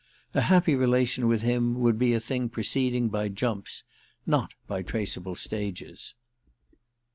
A happy relation with him would be a thing proceeding by jumps, not by traceable stages.